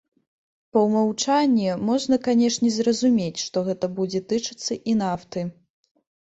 Па ўмаўчанні, можна, канешне, зразумець, што гэта будзе тычыцца і нафты.